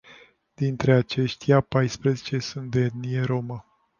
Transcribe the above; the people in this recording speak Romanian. Dintre aceștia paisprezece sunt de etnie rromă.